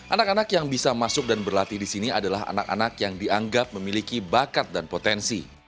anak anak yang bisa masuk dan berlatih di sini adalah anak anak yang dianggap memiliki bakat dan potensi